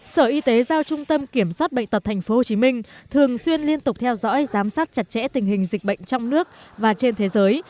sở y tế giao trung tâm kiểm soát bệnh tật tp hcm thường xuyên liên tục theo dõi giám sát chặt chẽ tình hình dịch bệnh trong nước và trên thế giới